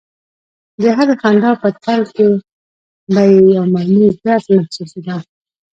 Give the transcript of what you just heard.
د هرې خندا په تل کې به یې یو مرموز درد محسوسېده